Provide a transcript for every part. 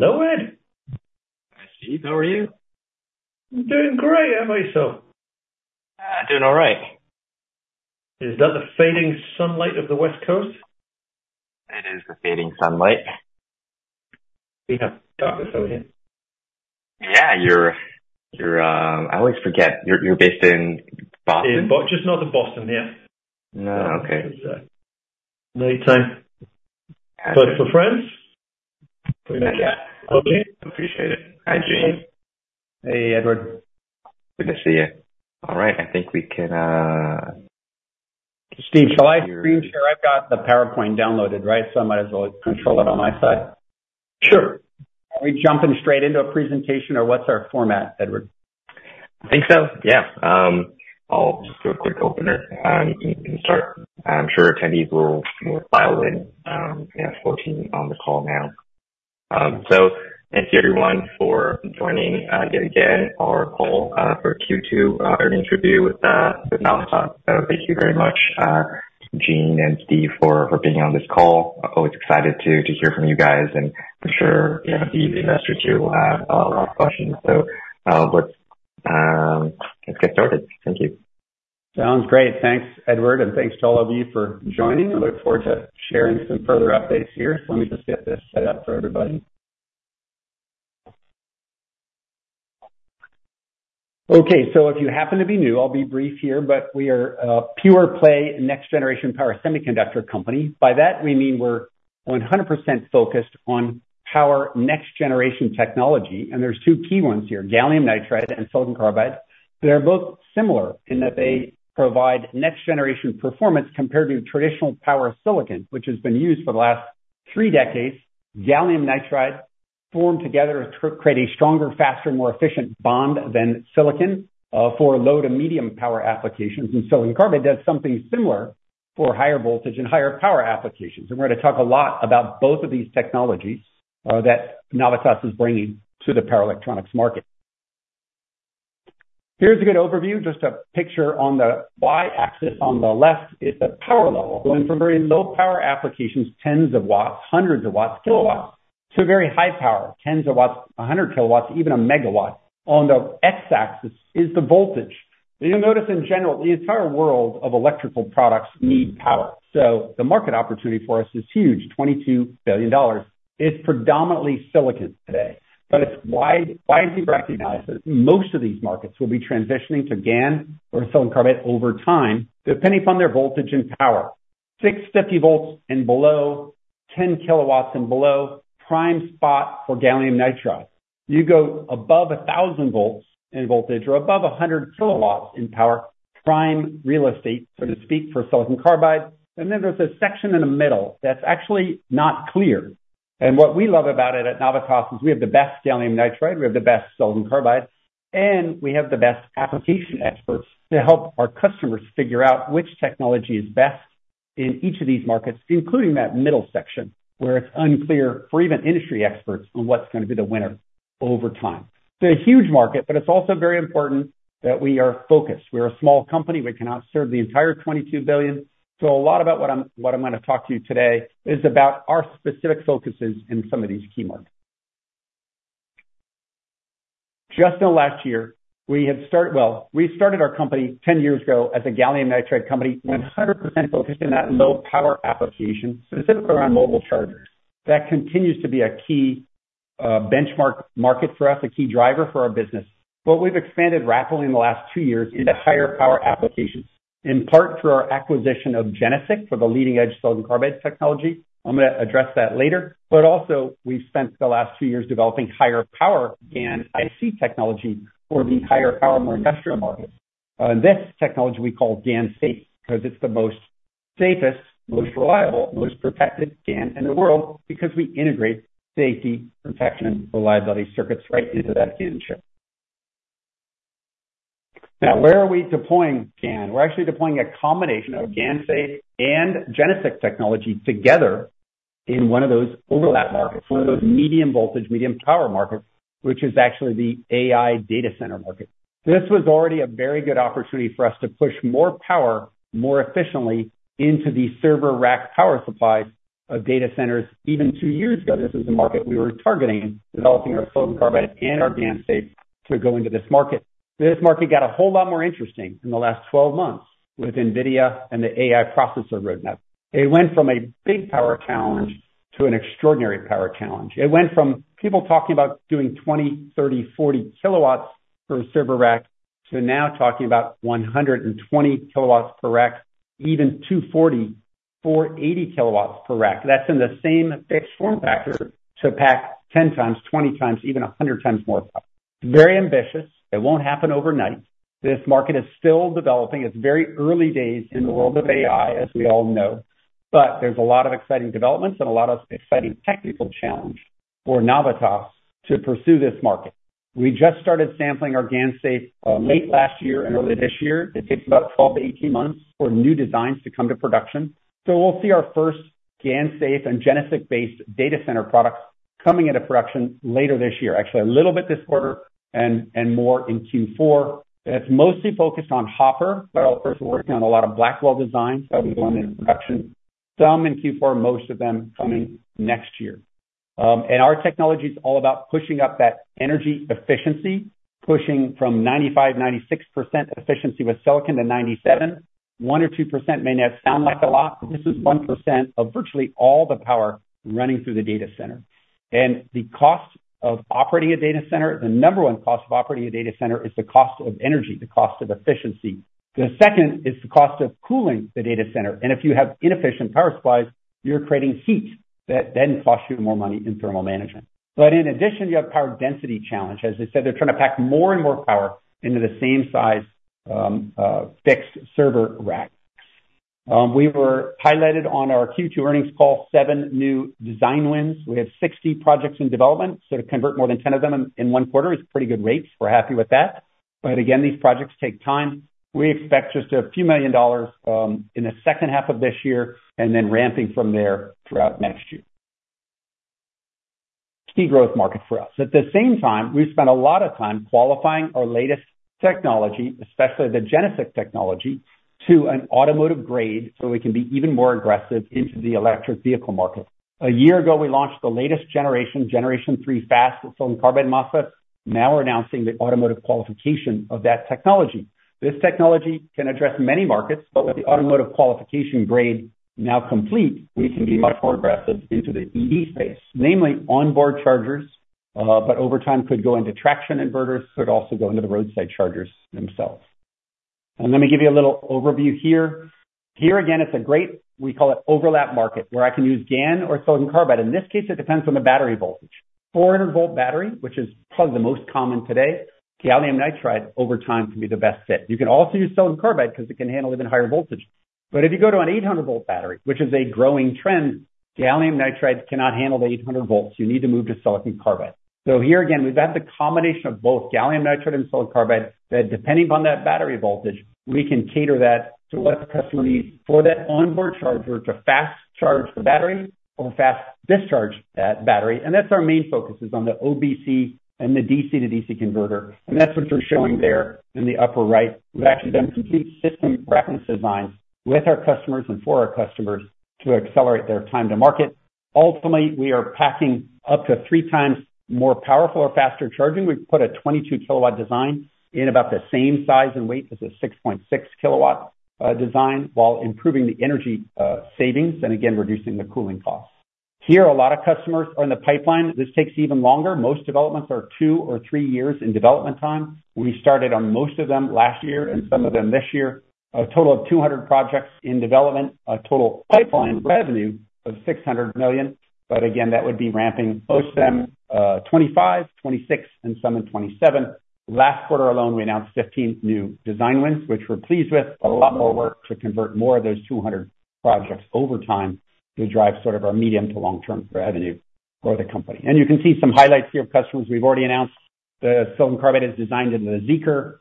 Hello, Ed. Hi Steve, how are you? I'm doing great, how about yourself? I'm doing all right. Is that the fading sunlight of the West Coast? It is the fading sunlight. We have darkness over here. Yeah, you're—I always forget. You're based in Boston? In Boston, just north of Boston, yeah. Oh, okay. Nice time. Yeah. For friends? Yeah. Okay. Appreciate it. Hi, Gene. Hey, Edward. Good to see you. All right. I think we can— Steve, shall I screen share? I've got the PowerPoint downloaded, right? So I might as well control it on my side. Sure. Are we jumping straight into a presentation or what's our format, Edward? I think so, yeah. I'll just do a quick opener and we can start. I'm sure attendees will file in. I have 14 on the call now. Thank you, everyone, for joining yet again our call for Q2 earnings review with Navitas. Thank you very much, Gene and Steve, for being on this call. Always excited to hear from you guys and I'm sure you're going to be the investors who will have a lot of questions. Let's get started. Thank you. Sounds great. Thanks, Edward, and thanks to all of you for joining. I look forward to sharing some further updates here. Let me just get this set up for everybody. Okay. If you happen to be new, I'll be brief here, but we are a pure-play next-generation power semiconductor company. By that, we mean we're 100% focused on power next-generation technology. There are two key ones here: gallium nitride and silicon carbide. They're both similar in that they provide next-generation performance compared to traditional power silicon, which has been used for the last three decades. Gallium nitride formed together to create a stronger, faster, more efficient bond than silicon for low to medium power applications. Silicon carbide does something similar for higher voltage and higher power applications. We're going to talk a lot about both of these technologies that Navitas is bringing to the power electronics market. Here's a good overview. Just a picture on the Y-axis on the left is the power level. Going from very low power applications, tens of watts, hundreds of watts, kilowatts, to very high power, tens of watts, 100 kilowatts, even a megawatt on the X-axis is the voltage. You'll notice in general, the entire world of electrical products need power. So the market opportunity for us is huge, $22 billion. It's predominantly silicon today, but it's widely recognized that most of these markets will be transitioning to GaN or silicon carbide over time, depending upon their voltage and power. 650 volts and below, 10 kilowatts and below, prime spot for gallium nitride. You go above 1,000 volts in voltage or above 100 kilowatts in power, prime real estate, so to speak, for silicon carbide. There is a section in the middle that's actually not clear. What we love about it at Navitas is we have the best gallium nitride, we have the best silicon carbide, and we have the best application experts to help our customers figure out which technology is best in each of these markets, including that middle section where it's unclear for even industry experts on what's going to be the winner over time. It's a huge market, but it's also very important that we are focused. We're a small company. We cannot serve the entire $22 billion. A lot about what I'm going to talk to you today is about our specific focuses in some of these key markets. Just in the last year, we had started—we started our company 10 years ago as a gallium nitride company and 100% focused in that low power application, specifically around mobile chargers. That continues to be a key benchmark market for us, a key driver for our business. We have expanded rapidly in the last two years into higher power applications, in part through our acquisition of GeneSiC for the leading-edge silicon carbide technology. I am going to address that later. We have also spent the last two years developing higher power GaN IC technology for the higher power, more industrial markets. This technology we call GaNSafe because it is the safest, most reliable, most protected GaN in the world because we integrate safety, protection, reliability circuits right into that GaN chip. Now, where are we deploying GaN? We are actually deploying a combination of GaNSafe and GeneSiC technology together in one of those overlap markets, one of those medium voltage, medium power markets, which is actually the AI data center market. This was already a very good opportunity for us to push more power more efficiently into the server rack power supplies of data centers. Even two years ago, this was the market we were targeting, developing our silicon carbide and our GaNSafe to go into this market. This market got a whole lot more interesting in the last 12 months with NVIDIA and the AI processor roadmap. It went from a big power challenge to an extraordinary power challenge. It went from people talking about doing 20, 30, 40 kilowatts per server rack to now talking about 120 kilowatts per rack, even 240, 480 kilowatts per rack. That's in the same fixed form factor to pack 10 times, 20 times, even 100 times more power. Very ambitious. It won't happen overnight. This market is still developing. It's very early days in the world of AI, as we all know. There is a lot of exciting developments and a lot of exciting technical challenge for Navitas to pursue this market. We just started sampling our GaNSafe late last year and early this year. It takes about 12-18 months for new designs to come to production. We will see our first GaNSafe and GeneSiC-based data center products coming into production later this year, actually a little bit this quarter and more in Q4. It is mostly focused on Hopper, but we are working on a lot of Blackwell designs that we want in production. Some in Q4, most of them coming next year. Our technology is all about pushing up that energy efficiency, pushing from 95%, 96% efficiency with silicon to 97%. One or two percent may not sound like a lot. This is 1% of virtually all the power running through the data center. The cost of operating a data center, the number one cost of operating a data center is the cost of energy, the cost of efficiency. The second is the cost of cooling the data center. If you have inefficient power supplies, you're creating heat that then costs you more money in thermal management. In addition, you have power density challenge. As I said, they're trying to pack more and more power into the same size fixed server rack. We were highlighted on our Q2 earnings call, seven new design wins. We have 60 projects in development. To convert more than 10 of them in one quarter is pretty good rates. We're happy with that. These projects take time. We expect just a few million dollars in the second half of this year and then ramping from there throughout next year. Key growth market for us. At the same time, we've spent a lot of time qualifying our latest technology, especially the GeneSiC technology, to an automotive grade so we can be even more aggressive into the electric vehicle market. A year ago, we launched the latest generation, Generation 3 Fast Silicon Carbide MOSFET. Now we're announcing the automotive qualification of that technology. This technology can address many markets, but with the automotive qualification grade now complete, we can be much more aggressive into the EV space, namely onboard chargers, but over time could go into traction inverters, could also go into the roadside chargers themselves. Let me give you a little overview here. Here again, it's a great—we call it overlap market—where I can use GaN or silicon carbide. In this case, it depends on the battery voltage. 400-volt battery, which is probably the most common today, gallium nitride over time can be the best fit. You can also use silicon carbide because it can handle even higher voltage. If you go to an 800-volt battery, which is a growing trend, gallium nitride cannot handle the 800 volts. You need to move to silicon carbide. Here again, we've got the combination of both gallium nitride and silicon carbide that, depending upon that battery voltage, we can cater that to what the customer needs for that onboard charger to fast charge the battery or fast discharge that battery. Our main focus is on the OBC and the DC-DC converter. That is what you're showing there in the upper right. We've actually done complete system reference designs with our customers and for our customers to accelerate their time to market. Ultimately, we are packing up to three times more powerful or faster charging. We put a 22-kilowatt design in about the same size and weight as a 6.6-kilowatt design while improving the energy savings and, again, reducing the cooling costs. Here, a lot of customers are in the pipeline. This takes even longer. Most developments are two or three years in development time. We started on most of them last year and some of them this year. A total of 200 projects in development, a total pipeline revenue of $600 million. Again, that would be ramping. Most of them 2025, 2026, and some in 2027. Last quarter alone, we announced 15 new design wins, which we're pleased with. A lot more work to convert more of those 200 projects over time to drive sort of our medium to long-term revenue for the company. You can see some highlights here of customers. We have already announced the silicon carbide is designed into the Zeekr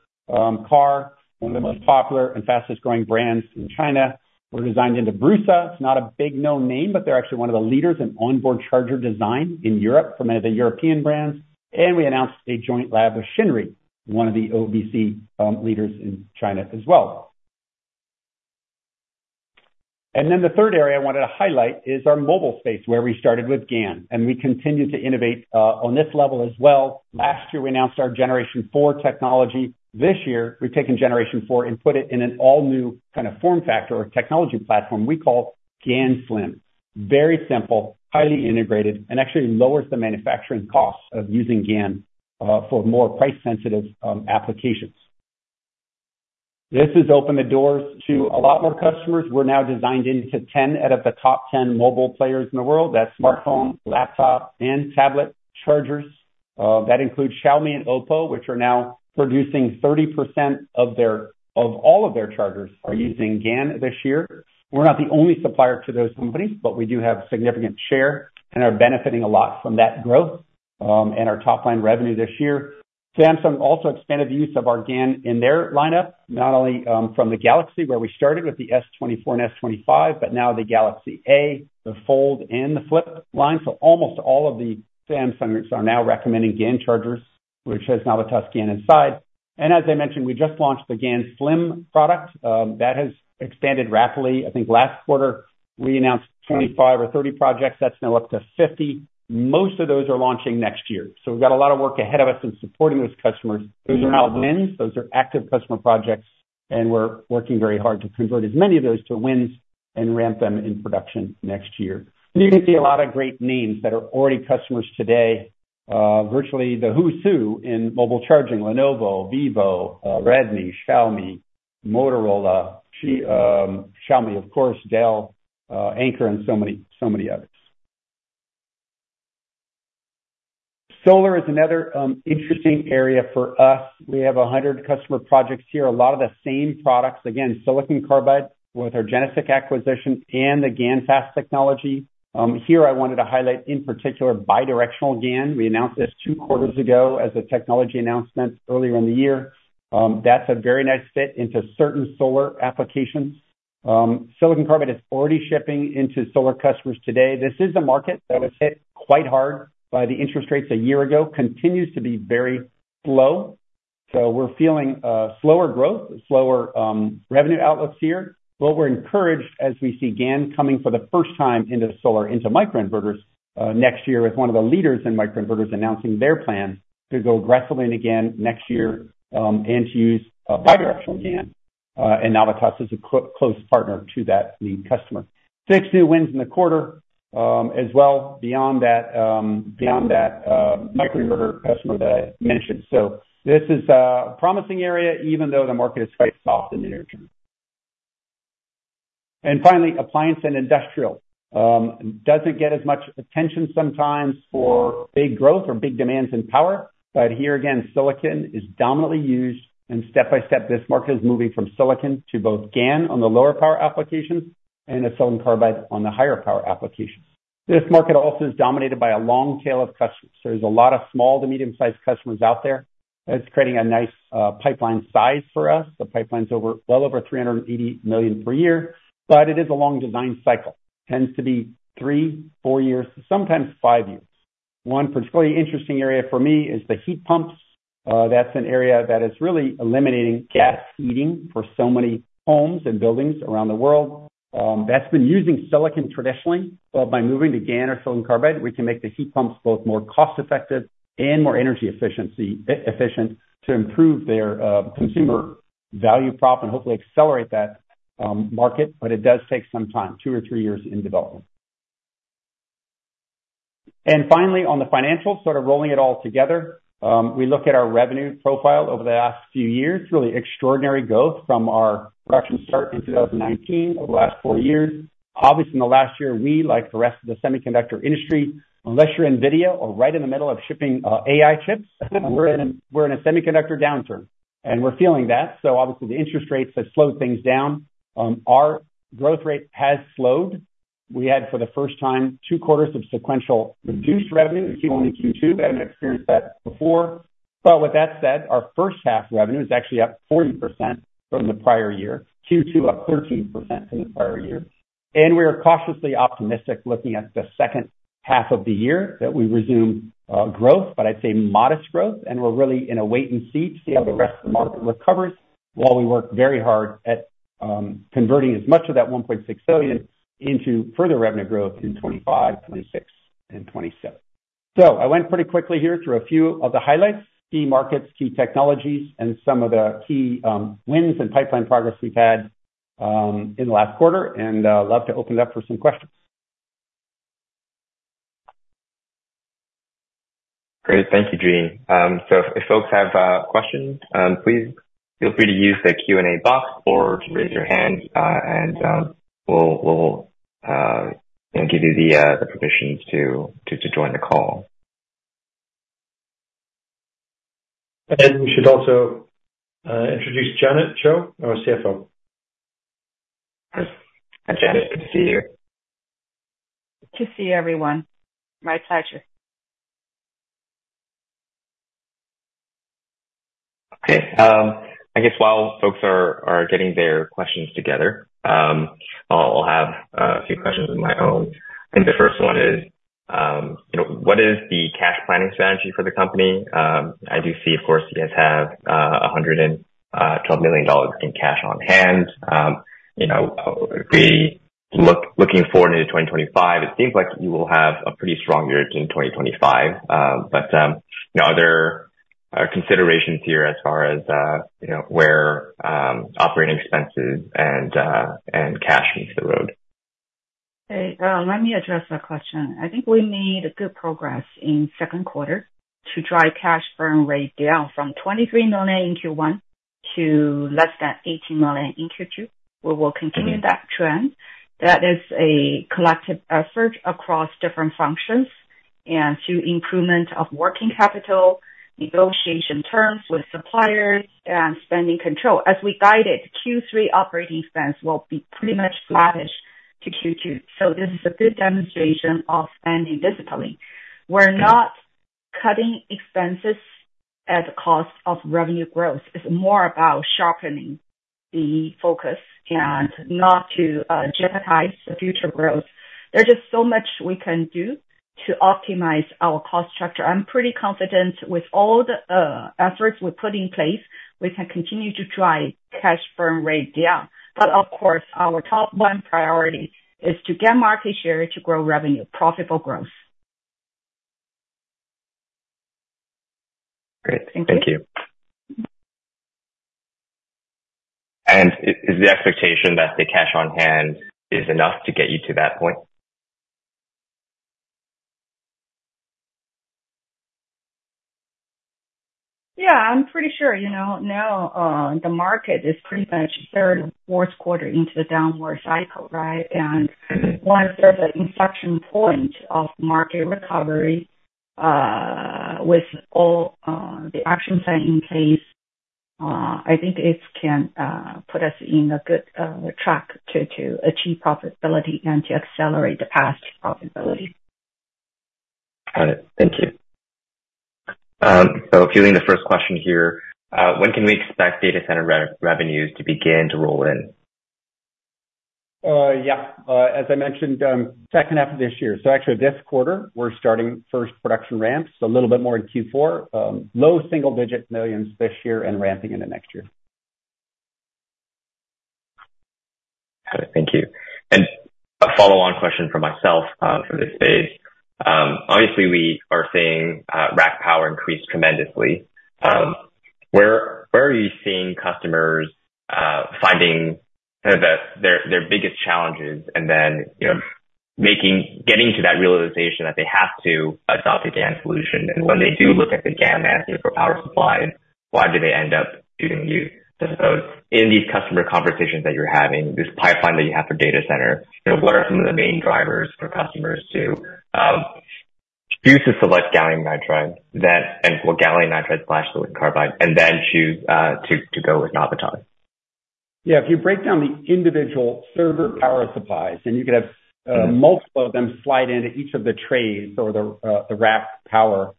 car, one of the most popular and fastest-growing brands in China. We are designed into Brusa. It is not a big known name, but they are actually one of the leaders in onboard charger design in Europe from one of the European brands. We announced a joint lab with Shinry, one of the OBC leaders in China as well. The third area I wanted to highlight is our mobile space where we started with GaN, and we continue to innovate on this level as well. Last year, we announced our Generation 4 technology. This year, we have taken Generation 4 and put it in an all-new kind of form factor or technology platform we call GaN Slim. Very simple, highly integrated, and actually lowers the manufacturing cost of using GaN for more price-sensitive applications. This has opened the doors to a lot more customers. We're now designed into 10 out of the top 10 mobile players in the world. That's smartphone, laptop, and tablet chargers. That includes Xiaomi and OPPO, which are now producing 30% of all of their chargers are using GaN this year. We're not the only supplier to those companies, but we do have a significant share and are benefiting a lot from that growth and our top-line revenue this year. Samsung also expanded the use of our GaN in their lineup, not only from the Galaxy where we started with the S24 and S25, but now the Galaxy A, the Fold, and the Flip line. Almost all of the Samsung are now recommending GaN chargers, which has Navitas GaN inside. As I mentioned, we just launched the GaN Slim product. That has expanded rapidly. I think last quarter, we announced 25 or 30 projects. That is now up to 50. Most of those are launching next year. We have a lot of work ahead of us in supporting those customers. Those are now wins. Those are active customer projects. We are working very hard to convert as many of those to wins and ramp them in production next year. You can see a lot of great names that are already customers today. Virtually the who's who in mobile charging: Lenovo, Vivo, Redmi, Xiaomi, Motorola, Xiaomi, of course, Dell, Anker, and so many others. Solar is another interesting area for us. We have 100 customer projects here. A lot of the same products. Again, silicon carbide with our GeneSiC acquisition and the GaNFast technology. Here, I wanted to highlight in particular bidirectional GaN. We announced this two quarters ago as a technology announcement earlier in the year. That's a very nice fit into certain solar applications. Silicon carbide is already shipping into solar customers today. This is a market that was hit quite hard by the interest rates a year ago, continues to be very slow. We are feeling slower growth, slower revenue outlooks here. We are encouraged as we see GaN coming for the first time into solar, into microinverters next year with one of the leaders in microinverters announcing their plan to go aggressively in GaN next year and to use bidirectional GaN. Navitas is a close partner to that lead customer. Six new wins in the quarter as well beyond that microinverter customer that I mentioned. This is a promising area even though the market is quite soft in the near term. Finally, appliance and industrial. It does not get as much attention sometimes for big growth or big demands in power. Here again, silicon is dominantly used. Step by step, this market is moving from silicon to both GaN on the lower power applications and silicon carbide on the higher power applications. This market also is dominated by a long tail of customers. There are a lot of small to medium-sized customers out there. It is creating a nice pipeline size for us. The pipeline is well over $380 million per-year. It is a long design cycle. Tends to be three, four years, sometimes five years. One particularly interesting area for me is the heat pumps. That's an area that is really eliminating gas heating for so many homes and buildings around the world. That's been using silicon traditionally. By moving to GaN or silicon carbide, we can make the heat pumps both more cost-effective and more energy efficient to improve their consumer value prop and hopefully accelerate that market. It does take some time, two or three years in development. Finally, on the financials, sort of rolling it all together, we look at our revenue profile over the last-few-years. Really extraordinary growth from our production start in 2019 over the last four years. Obviously, in the last-year, we, like the rest of the semiconductor industry, unless you're NVIDIA or right in the middle of shipping AI chips, we're in a semiconductor downturn. We're feeling that. Obviously, the interest rates have slowed things down. Our growth rate has slowed. We had, for the first time, two quarters of sequential reduced revenue. We see only Q2. We have not experienced that before. With that said, our first half revenue is actually up 40% from the prior year. Q2 up 13% from the prior year. We are cautiously optimistic looking at the second half of the year that we resume growth, but I would say modest growth. We are really in a wait-and-see to see how the rest of the market recovers while we work very hard at converting as much of that 1.6 billion into further revenue growth in 2025, 2026, and 2027. I went pretty quickly here through a few of the highlights, key markets, key technologies, and some of the key wins and pipeline progress we have had in the last quarter. I would love to open it up for some questions. Great. Thank you, Gene. If folks have questions, please feel free to use the Q&A box or to raise your hand, and we'll give you the permission to join the call. We should also introduce Janet Chow, our CFO. Hi, Janet. Good to see you. Good to see everyone. My pleasure. Okay. I guess while folks are getting their questions together, I'll have a few questions of my own. I think the first one is, what is the cash planning strategy for the company? I do see, of course, you guys have $112 million in cash on hand. Looking forward into 2025, it seems like you will have a pretty strong year in 2025. Are there considerations here as far as where operating expenses and cash meet the road? Okay. Let me address the question. I think we made good progress in second quarter to drive cash burn rate down from $23 million in Q1 to less-than $18 million in Q2. We will continue that trend. That is a collective effort across different functions and through improvement of working capital, negotiation terms with suppliers, and spending control. As we guided, Q3 operating expense will be pretty much lavished to Q2. This is a good demonstration of spending discipline. We're not cutting expenses at the cost of revenue growth. It's more about sharpening the focus and not to jeopardize the future growth. There's just so much we can do to optimize our cost structure. I'm pretty confident with all the efforts we put in place, we can continue to drive cash burn rate down. Of course, our top one priority is to get market share to grow revenue, profitable growth. Great. Thank you. Is the expectation that the cash on hand is enough to get you to that point? Yeah. I'm pretty sure now the market is pretty much third or fourth quarter into the downward cycle, right? Once there's an inflection point of market recovery with all the actions that are in place, I think it can put us in a good track to achieve profitability and to accelerate the past profitability. Got it. Thank you. Fueling the first question here, when can we expect data center revenues to begin to roll in? Yeah. As I mentioned, second half of this year. Actually, this quarter, we're starting first production ramps, a little bit more in Q4, low single-digit millions this year and ramping into next-year. Got it. Thank you. A follow-on question for myself for this phase. Obviously, we are seeing rack power increase tremendously. Where are you seeing customers finding their biggest challenges and then getting to that realization that they have to adopt a GaN solution? When they do look at the GaN management for power supply, why do they end up choosing you? In these customer conversations that you're having, this pipeline that you have for data center, what are some of the main drivers for customers to choose to select gallium nitride and/or gallium nitride/silicon carbide and then choose to go with Navitas? Yeah. If you break down the individual server power supplies, and you could have multiple of them slide into each of the trays or the rack power,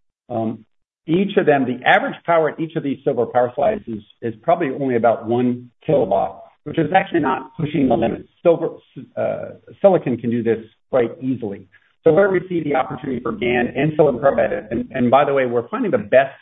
each of them, the average power in each of these server power supplies is probably only about 1 kilowatt, which is actually not pushing the limits. Silicon can do this quite easily. Where we see the opportunity for GaN and silicon carbide, and by the way, we're finding the best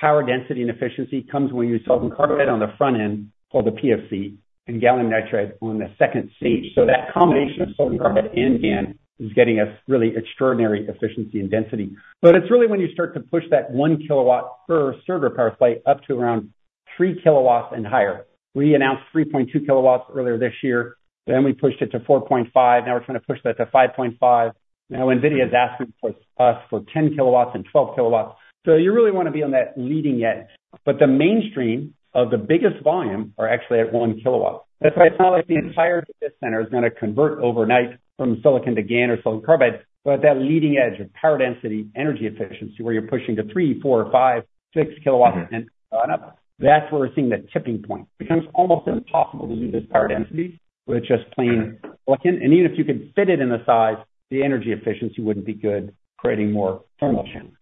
power density and efficiency comes when you use silicon carbide on the front end for the PFC and gallium nitride on the second stage. That combination of silicon carbide and GaN is getting us really extraordinary efficiency and density. It is really when you start to push that 1 kilowatt per server power supply up to around 3 kilowatts and higher. We announced 3.2 kilowatts earlier this year. We pushed it to 4.5. Now we're trying to push that to 5.5. Now NVIDIA is asking us for 10 kilowatts and 12 kilowatts. You really want to be on that leading edge. The mainstream of the biggest volume are actually at 1 kilowatt. That's why it's not like the entire data center is going to convert overnight from silicon to GaN or silicon carbide. That leading edge of power density, energy efficiency, where you're pushing to 3, 4, 5, 6 kilowatts and up, that's where we're seeing the tipping point. It becomes almost impossible to do this power density with just plain silicon. Even if you could fit it in the size, the energy efficiency wouldn't be good, creating more thermal challenges.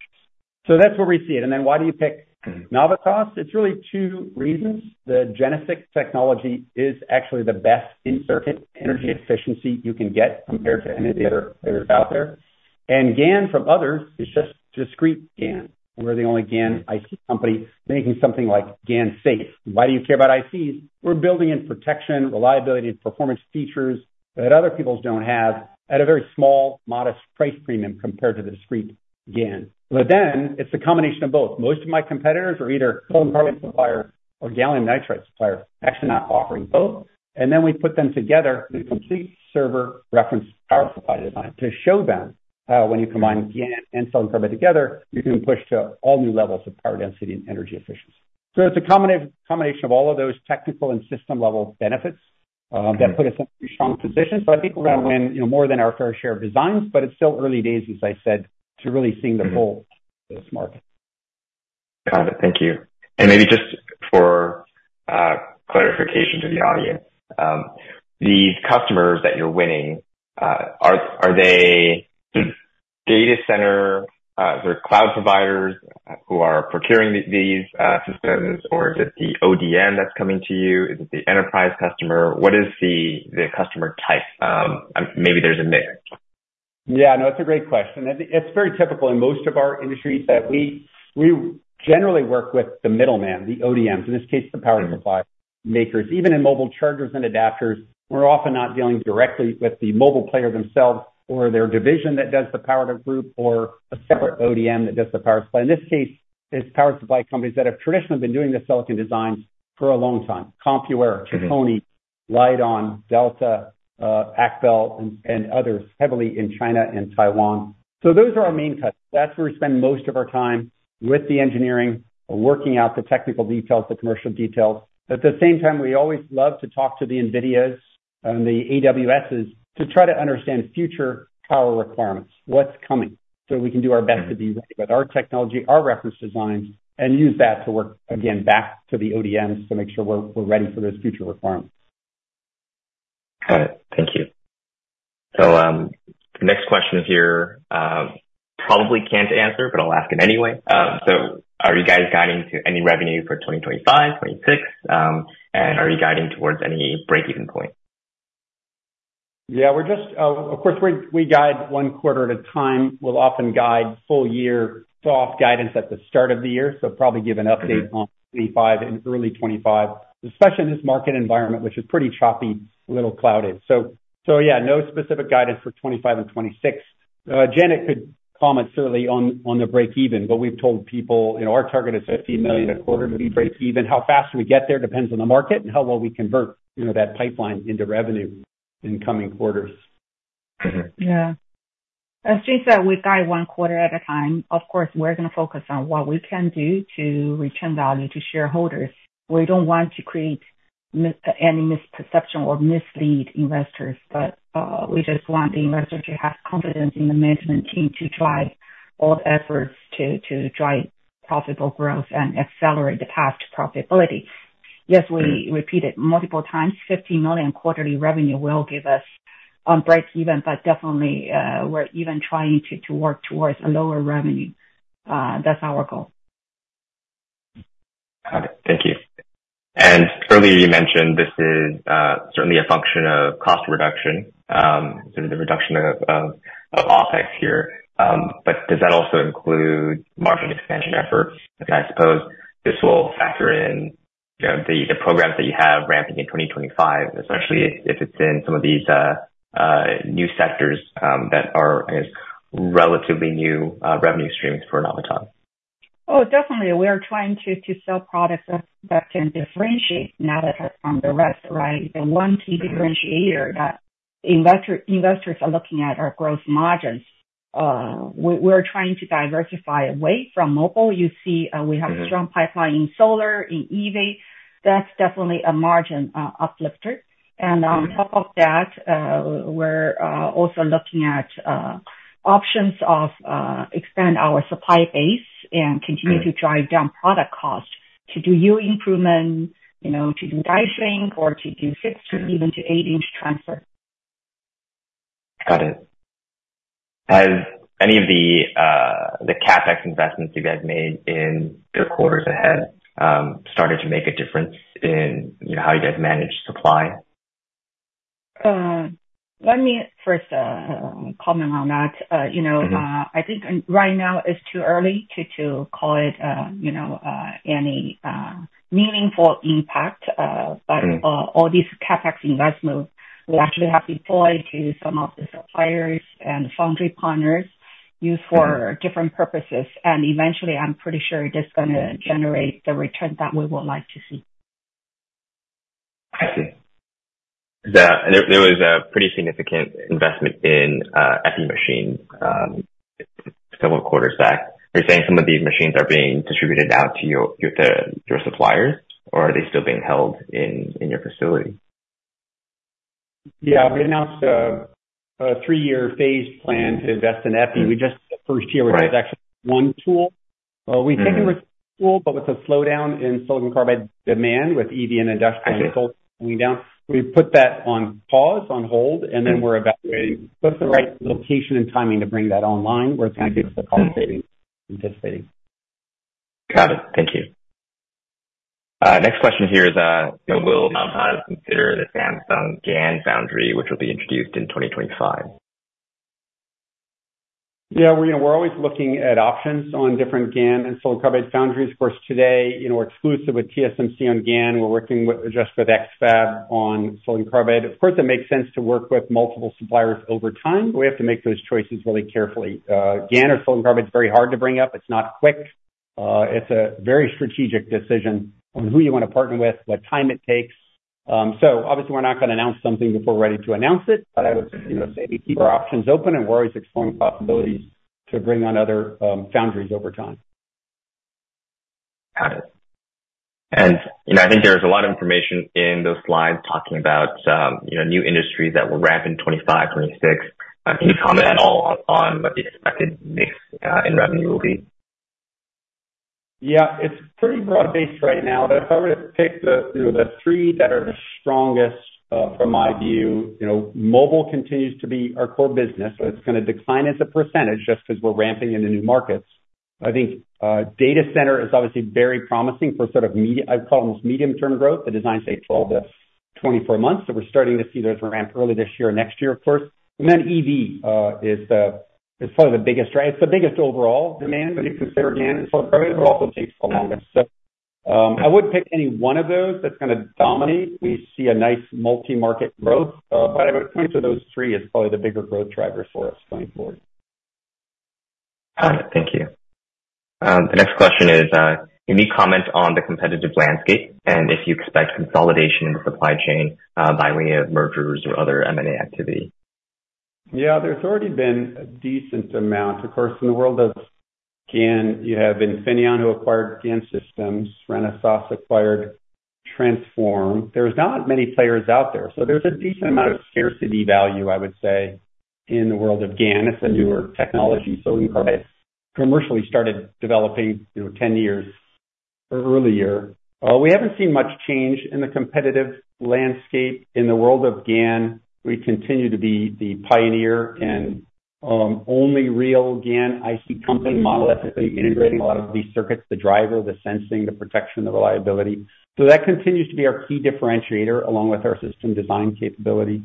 That's where we see it. Why do you pick Navitas? It's really two reasons. The GeneSiC technology is actually the best in circuit energy efficiency you can get compared to any of the others out there. And GaN from others is just discrete GaN. We're the only GaN IC company making something like GaNSafe. Why do you care about ICs? We're building in protection, reliability, and performance features that other people don't have at a very small, modest price premium compared to the discrete GaN. But then it's a combination of both. Most of my competitors are either silicon carbide suppliers or gallium nitride suppliers, actually not offering both. And then we put them together to complete server reference power supply design to show them how when you combine GaN and silicon carbide together, you can push to all new levels of power density and energy efficiency. It is a combination of all of those technical and system-level benefits that put us in a pretty strong position. I think we're going to win more than our fair share of designs, but it's still early days, as I said, to really seeing the full market. Got it. Thank you. Maybe just for clarification to the audience, these customers that you're winning, are they data center or cloud providers who are procuring these systems, or is it the ODM that's coming to you? Is it the enterprise customer? What is the customer type? Maybe there's a mix. Yeah. No, that's a great question. It's very typical in most of our industries that we generally work with the middleman, the ODMs, in this case, the power supply makers. Even in mobile chargers and adapters, we're often not dealing directly with the mobile player themselves or their division that does the power group or a separate ODM that does the power supply. In this case, it's power supply companies that have traditionally been doing the silicon designs for a long time: Compal, Chicony, Lite-On, Delta, AcBel, and others heavily in China and Taiwan. Those are our main customers. That's where we spend most of our time with the engineering, working out the technical details, the commercial details. At the same time, we always love to talk to the NVIDIAs and the AWSs to try to understand future power requirements, what's coming. We can do our best to be ready with our technology, our reference designs, and use that to work again back to the ODMs to make sure we're ready for those future requirements. Got it. Thank you. The next question is here probably can't answer, but I'll ask it anyway. Are you guys guiding to any revenue for 2025, 2026? And are you guiding towards any break-even point? Yeah. Of course, we guide one quarter at a time. We will often guide full year soft guidance at the start of the year. Probably give an update on 2025 and early 2025, especially in this market environment, which is pretty choppy, a little cloudy. Yeah, no specific guidance for 2025 and 2026. Janet could comment certainly on the break-even, but we have told people our target is $15 million a quarter to be break-even. How fast we get there depends on the market and how well we convert that pipeline into revenue in coming quarters. Yeah. As we guide one quarter at a time, of course, we're going to focus on what we can do to return value to shareholders. We don't want to create any misperception or mislead investors, but we just want the investor to have confidence in the management team to drive all the efforts to drive profitable growth and accelerate the past profitability. Yes, we repeated multiple times, $15 million quarterly revenue will give us on break-even, but definitely we're even trying to work towards a lower revenue. That's our goal. Got it. Thank you. Earlier you mentioned this is certainly a function of cost reduction, sort of the reduction of office here. Does that also include margin expansion efforts? I suppose this will factor in the programs that you have ramping in 2025, especially if it's in some of these new sectors that are relatively new revenue streams for Navitas? Oh, definitely. We are trying to sell products that can differentiate Navitas from the rest, right? The one key differentiator that investors are looking at are gross margins. We're trying to diversify away from mobile. You see we have a strong pipeline in solar, in EV. That's definitely a margin uplifter. On top of that, we're also looking at options of expanding our supply base and continuing to drive down product cost to do yield improvement, to do die shrink, or to do 6- to even 8-inch transfer. Got it. Has any of the CapEx investments you guys made in the quarters ahead started to make a difference in how you guys manage supply? Let me first comment on that. I think right now it's too early to call it any meaningful impact. All these CapEx investments we actually have deployed to some of the suppliers and foundry partners used for different purposes. Eventually, I'm pretty sure it is going to generate the return that we would like to see. I see. There was a pretty significant investment in EPI machines a couple of quarters back. Are you saying some of these machines are being distributed out to your suppliers, or are they still being held in your facility? Yeah. We announced a three-year phase plan to invest in EPI. We just did the first year with the production one tool. We've taken the first tool, but with a slowdown in silicon carbide demand with EV and industrial going down, we put that on pause, on hold, and then we're evaluating the right location and timing to bring that online where it's going to give us the cost savings anticipated. Got it. Thank you. Next question here is, will Navitas consider the Samsung GaN foundry, which will be introduced in 2025? Yeah. We're always looking at options on different GaN and silicon carbide foundries. Of course, today we're exclusive with TSMC on GaN. We're working just with X-Fab on silicon carbide. Of course, it makes sense to work with multiple suppliers over time, but we have to make those choices really carefully. GaN or silicon carbide is very hard to bring up. It's not quick. It's a very strategic decision on who you want to partner with, what time it takes. Obviously, we're not going to announce something before we're ready to announce it, but I would say we keep our options open and we're always exploring possibilities to bring on other foundries over time. Got it. I think there's a lot of information in those slides talking about new industries that will ramp in 2025, 2026. Can you comment at all on what the expected mix in revenue will be? Yeah. It's pretty broad-based right now. If I were to pick the three that are the strongest from my view, mobile continues to be our core business, but it's going to decline as a percentage just because we're ramping into new markets. I think data center is obviously very promising for sort of, I'd call it almost medium-term growth. The designs take 12-24 months. We are starting to see those ramp early this year and next year, of course. EV is probably the biggest driver. It's the biggest overall demand when you consider GaN and silicon carbide, but also takes the longest. I wouldn't pick any one of those that's going to dominate. We see a nice multi-market growth, but I would point to those three as probably the bigger growth drivers for us going forward. Got it. Thank you. The next question is, can you comment on the competitive landscape and if you expect consolidation in the supply chain by way of mergers or other M&A activity? Yeah. There's already been a decent amount. Of course, in the world of GaN, you have Infineon who acquired GaN Systems, Renesas acquired Transphorm. There's not many players out there. So there's a decent amount of scarcity value, I would say, in the world of GaN. It's a newer technology. Silicon carbide commercially started developing 10 years earlier. We haven't seen much change in the competitive landscape. In the world of GaN, we continue to be the pioneer and only real GaN IC company model that's integrating a lot of these circuits, the driver, the sensing, the protection, the reliability. That continues to be our key differentiator along with our system design capability.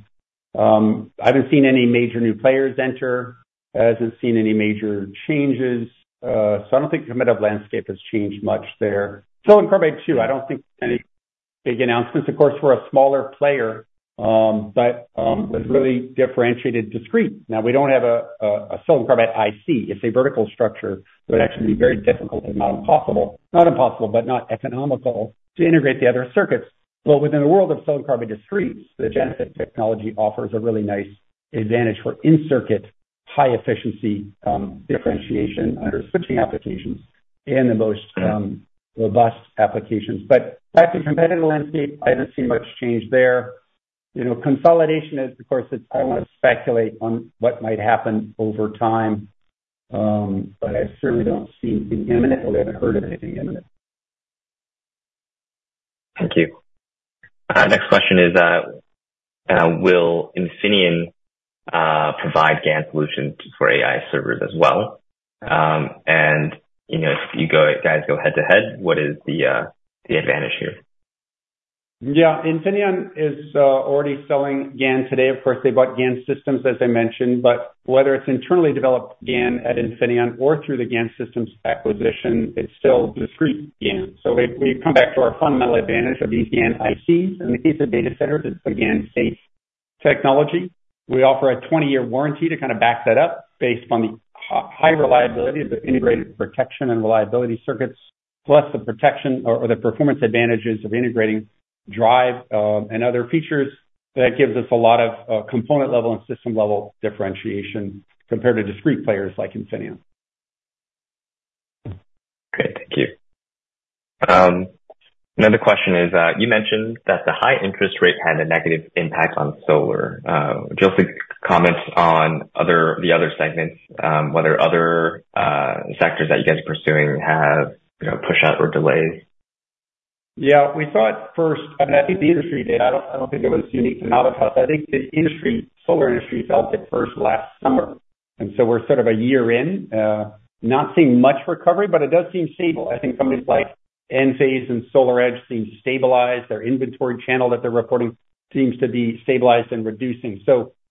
I haven't seen any major new players enter. I haven't seen any major changes. I don't think the competitive landscape has changed much there. Silicon carbide too, I don't think any big announcements. Of course, we're a smaller player, but it's really differentiated discrete. Now, we don't have a silicon carbide IC. It's a vertical structure that would actually be very difficult, if not impossible. Not impossible, but not economical to integrate the other circuits. Within the world of silicon carbide discretes, the GeneSiC technology offers a really nice advantage for in-circuit high-efficiency differentiation under switching applications and the most robust applications. That's the competitive landscape. I haven't seen much change there. Consolidation is, of course, I don't want to speculate on what might happen over time, but I certainly don't see anything imminent or ever heard of anything imminent. Thank you. Next question is, will Infineon provide GaN solutions for AI servers as well? If you guys go head-to-head, what is the advantage here? Yeah. Infineon is already selling GaN today. Of course, they bought GaN Systems, as I mentioned, but whether it's internally developed GaN at Infineon or through the GaN Systems acquisition, it's still discrete GaN. We come back to our fundamental advantage of these GaN ICs and these data centers. It's a GaN-based technology. We offer a 20-year warranty to kind of back that up based on the high reliability of the integrated protection and reliability circuits, plus the protection or the performance advantages of integrating drive and other features. That gives us a lot of component-level and system-level differentiation compared to discrete players like Infineon. Great. Thank you. Another question is, you mentioned that the high interest rate had a negative impact on solar. Just a comment on the other segments, whether other sectors that you guys are pursuing have push-out or delays. Yeah. We saw it first. I think the industry did. I do not think it was unique to Navitas. I think the solar industry felt it first last summer. We are sort of a year in, not seeing much recovery, but it does seem stable. I think companies like Enphase and SolarEdge seem stabilized. Their inventory channel that they are reporting seems to be stabilized and reducing.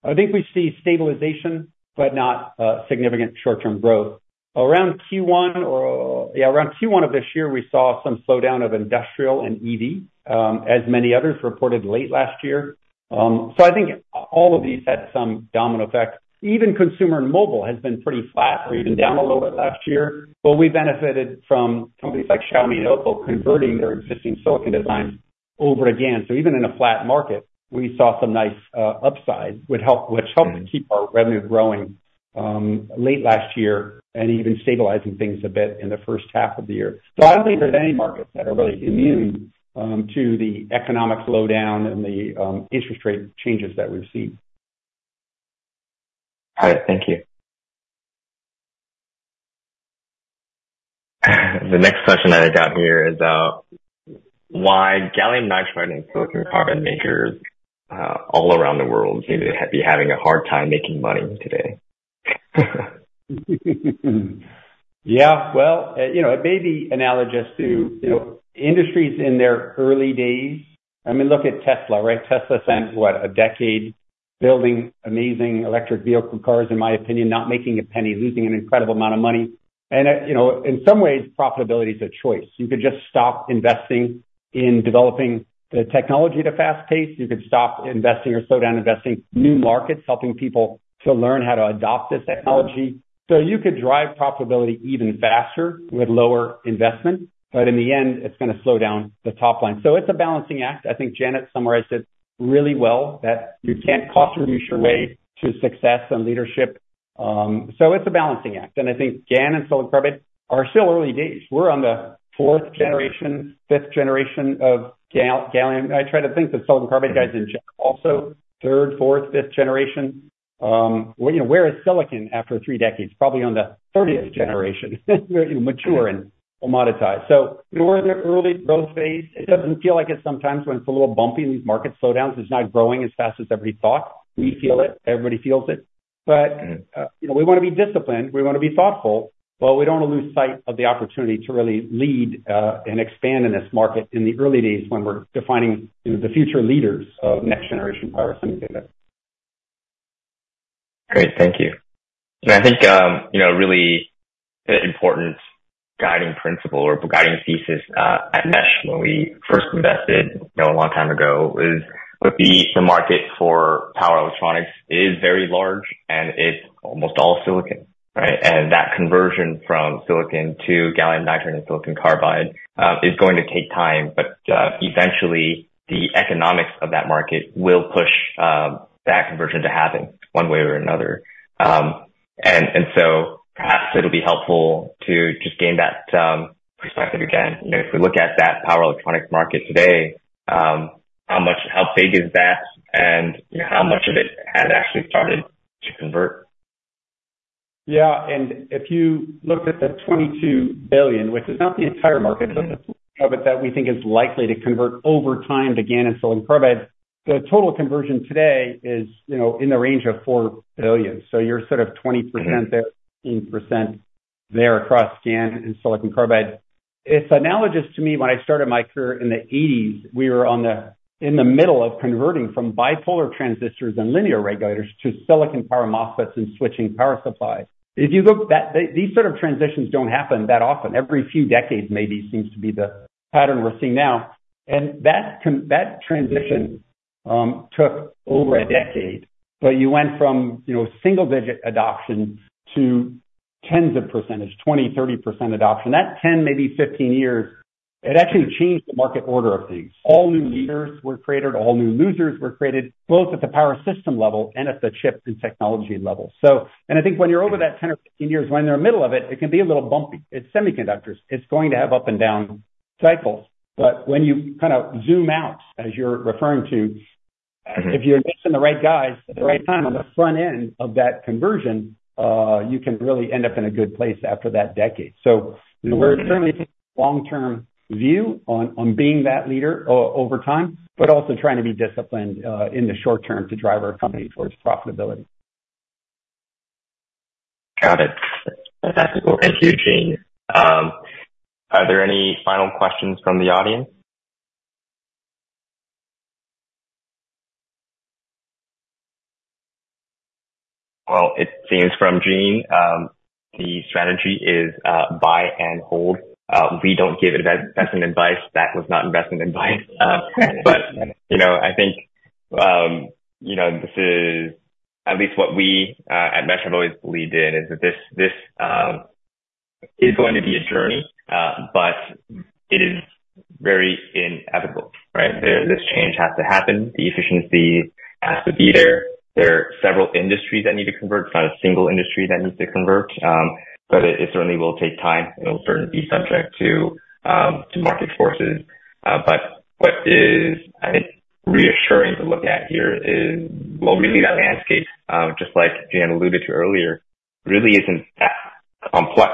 I think we see stabilization, but not significant short-term growth. Around Q1 or, yeah, around Q1 of this year, we saw some slowdown of industrial and EV, as many others reported late last year. I think all of these had some domino effect. Even consumer and mobile has been pretty flat or even down a little bit last year, but we benefited from companies like Xiaomi and Oppo converting their existing silicon designs over again. Even in a flat market, we saw some nice upside, which helped keep our revenue growing late last year and even stabilizing things a bit in the first half of the year. I do not think there are any markets that are really immune to the economic slowdown and the interest rate changes that we have seen. Got it. Thank you. The next question I have down here is, why gallium nitride and silicon carbide makers all around the world seem to be having a hard time making money today? Yeah. It may be analogous to industries in their early days. I mean, look at Tesla, right? Tesla spent, what, a decade building amazing electric vehicle cars, in my opinion, not making a penny, losing an incredible amount of money. In some ways, profitability is a choice. You could just stop investing in developing the technology at a fast pace. You could stop investing or slow down investing in new markets, helping people to learn how to adopt this technology. You could drive profitability even faster with lower investment, but in the end, it is going to slow down the top line. It is a balancing act. I think Janet summarized it really well, that you cannot cost reduce your way to success and leadership. It is a balancing act. I think GaN and silicon carbide are still early days. We're on the fourth generation, fifth generation of gallium. I try to think that silicon carbide guys in general are also third, fourth, fifth generation. Where is silicon after three decades? Probably on the 30th generation, mature and commoditized. We are in the early growth phase. It does not feel like it sometimes when it is a little bumpy in these market slowdowns. It is not growing as fast as everybody thought. We feel it. Everybody feels it. We want to be disciplined. We want to be thoughtful, but we do not want to lose sight of the opportunity to really lead and expand in this market in the early days when we are defining the future leaders of next-generation power semiconductors. Great. Thank you. I think a really important guiding principle or guiding thesis at Mesh when we first invested a long time ago was that the market for power electronics is very large, and it is almost all silicon, right? That conversion from silicon to gallium nitride and silicon carbide is going to take time, but eventually, the economics of that market will push that conversion to happen one way or another. Perhaps it will be helpful to just gain that perspective again. If we look at that power electronics market today, how big is that, and how much of it has actually started to convert? Yeah. If you look at the $22 billion, which is not the entire market, but the portion of it that we think is likely to convert over time to GaN and silicon carbide, the total conversion today is in the range of $4 billion. You are sort of 20% there, 15% there across GaN and silicon carbide. It is analogous to me when I started my career in the 1980s, we were in the middle of converting from bipolar transistors and linear regulators to silicon power MOSFETs and switching power supplies. If you look back, these sort of transitions do not happen that often. Every few decades maybe seems to be the pattern we are seeing now. That transition took over a decade, but you went from single-digit adoption to tens of %, 20%, 30% adoption. That 10, maybe 15 years, it actually changed the market order of things. All new leaders were created, all new losers were created, both at the power system level and at the chip and technology level. I think when you're over that 10 or 15 years, when they're in the middle of it, it can be a little bumpy. It's semiconductors. It's going to have up and down cycles. When you kind of zoom out, as you're referring to, if you're missing the right guys at the right time on the front end of that conversion, you can really end up in a good place after that decade. We are certainly taking a long-term view on being that leader over time, but also trying to be disciplined in the short term to drive our company towards profitability. Got it. That's great. Thank you, Gene. Are there any final questions from the audience? It seems from Gene, the strategy is buy and hold. We do not give investment advice. That was not investment advice. I think this is at least what we at Mesh have always believed in, is that this is going to be a journey, but it is very inevitable, right? This change has to happen. The efficiency has to be there. There are several industries that need to convert. It is not a single industry that needs to convert, but it certainly will take time. It will certainly be subject to market forces. What is, I think, reassuring to look at here is, really that landscape, just like Janet alluded to earlier, really is not that complex.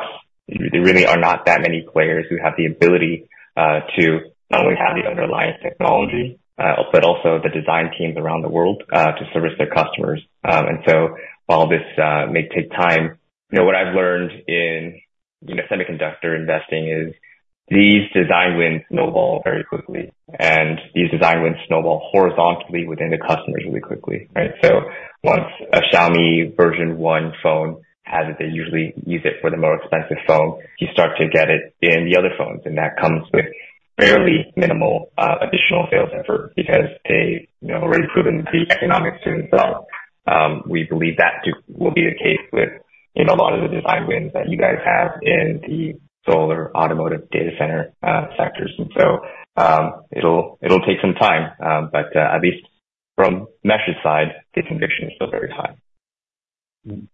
There really are not that many players who have the ability to not only have the underlying technology, but also the design teams around the world to service their customers. While this may take time, what I've learned in semiconductor investing is these design wins snowball very quickly, and these design wins snowball horizontally within the customers really quickly, right? Once a Xiaomi version one phone has it, they usually use it for the more expensive phone. You start to get it in the other phones, and that comes with fairly minimal additional sales effort because they've already proven the economics to themselves. We believe that will be the case with a lot of the design wins that you guys have in the solar, automotive, data center sectors. It'll take some time, but at least from Mesh's side, the conviction is still very high.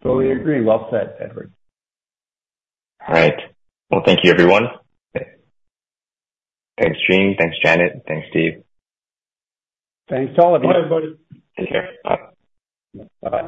Fully agree. Well said, Edward. All right. Thank you, everyone. Thanks, Gene. Thanks, Janet. Thanks, Steve. Thanks to all of you. Bye, everybody. Take care. Bye.Bye.